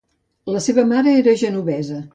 La seva mare era genovesa.